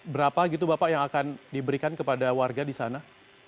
berapa gitu bapak yang akan diberikan kepada warga di sana